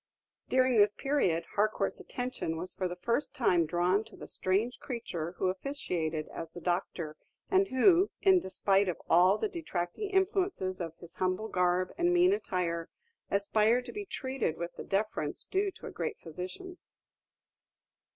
During this period, Harcourt's attention was for the first time drawn to the strange creature who officiated as the doctor, and who, in despite of all the detracting influences of his humble garb and mean attire, aspired to be treated with the deference due to a great physician.